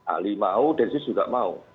ali mau densus juga mau